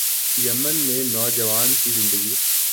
یمن میں نوجوانوں کی زندگی